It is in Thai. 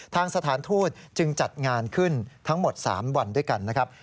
สถานทูตจึงจัดงานขึ้นทั้งหมด๓วันด้วยกันนะครับ